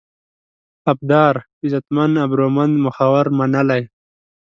ابدار: عزتمن، ابرومند ، مخور، منلی